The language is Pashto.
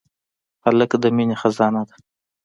هلک د مینې خزانه ده.